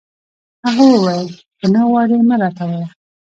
هغه وویل: که نه غواړي، مه راته وایه.